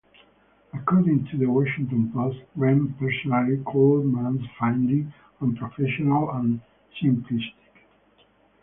According to the "Washington Post", Rehm personally "called Mann's findings 'unprofessional and simplistic.